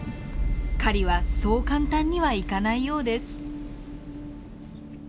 狩りはそう簡単にはいかないようです。